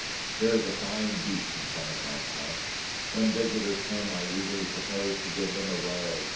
There is a fine beach in front of my house. When visitors come I usually propose to give them a row.